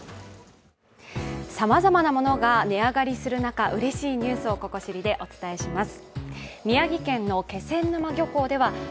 さまざまなものが値上がりする中、うれしいニュースをここ知りでお伝えします。